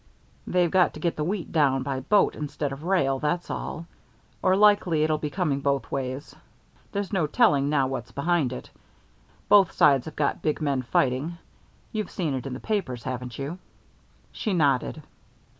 "They've got to get the wheat down by boat instead of rail, that's all. Or likely it'll be coming both ways. There's no telling now what's behind it. Both sides have got big men fighting. You've seen it in the papers, haven't you?" She nodded.